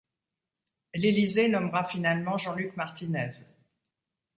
L'Elysée nommera finalement Jean-Luc Martinez.